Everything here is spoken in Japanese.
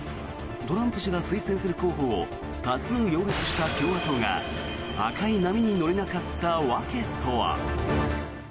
トランプ氏が推薦する候補を多数擁立した共和党が赤い波に乗れなかった訳とは。